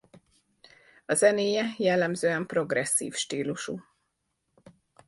A zenéje jellemzően progresszív stílusú.